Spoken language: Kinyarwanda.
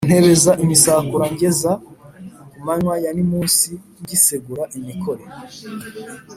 ntebeza imisakura ngeza ku manywa ya nimunsi ngisegura imikore,